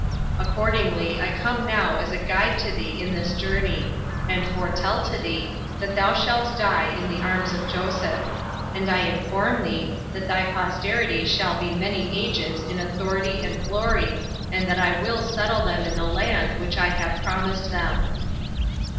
Accordingly, I come now as a guide to thee in this journey; and foretell to thee, that thou shalt die in the arms of Joseph: and I inform thee, that thy posterity shall be many ages in authority and glory, and that I will settle them in the land which I have promised them."